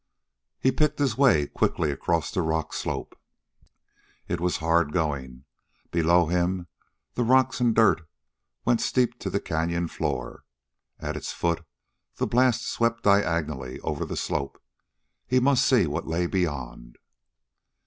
He picked his way quickly across the rock slope. It was hard going. Below him the rocks and dirt went steep to the canyon floor. At its foot the blast swept diagonally over the slope. He must see what lay beyond....